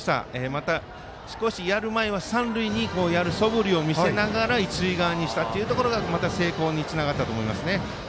また少しやる前は三塁側にやるそぶりを見せながら一塁側にしたというのがまた成功につながったと思いますね。